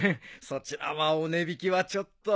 そちらはお値引きはちょっと。